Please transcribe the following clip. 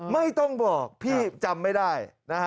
ไม่ต้องบอกพี่จำไม่ได้นะฮะ